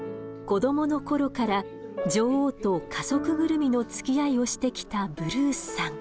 子どもの頃から女王と家族ぐるみのつきあいをしてきたブルースさん。